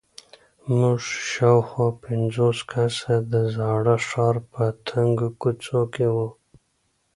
موږ شاوخوا پنځوس کسه د زاړه ښار په تنګو کوڅو کې وو.